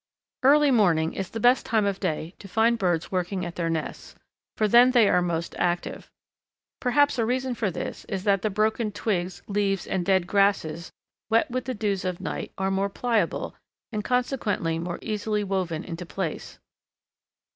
Early morning is the best time of the day to find birds working at their nests, for then they are most active. Perhaps a reason for this is that the broken twigs, leaves, and dead grasses, wet with the dews of night, are more pliable, and consequently more easily woven into place.